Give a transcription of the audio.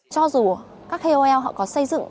cho dù các kol họ có xây dựng